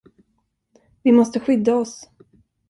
Vi måste skydda oss.